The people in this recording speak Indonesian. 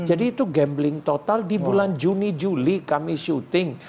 jadi itu gambling total di bulan juni juli kami syuting